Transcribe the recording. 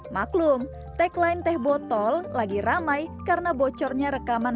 maklum tagline teh botol lagi ramai karena bocornya rekaman